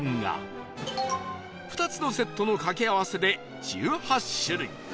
２つのセットの掛け合わせで１８種類